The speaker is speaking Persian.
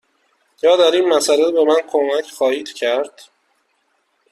یا در این مسأله به من کمک خواهید کرد؟